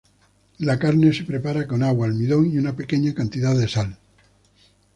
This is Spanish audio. La carne se prepara con agua, almidón y una pequeña cantidad de sal.